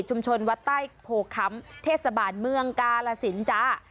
ชุมชนวัดใต้โผลกค้ำเทศบาลเมืองกาลสินจ้า